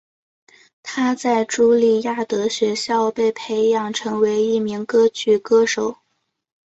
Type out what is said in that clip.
她在朱利亚德学校被培养成为一名歌剧歌手。